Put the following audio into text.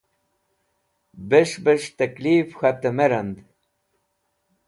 Bes̃h bes̃h tẽklif k̃hatẽ me rand.